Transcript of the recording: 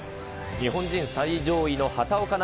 日本人最上位の畑岡奈